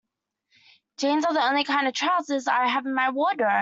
Jeans are the only kind of trousers I have in my wardrobe.